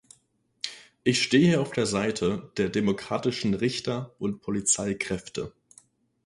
Ich stehe auf der Seite der demokratischen Richter und Polizeikräfte.